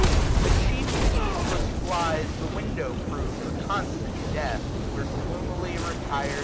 But chief to heedless flies the window proves A constant death ; where, gloomily retired.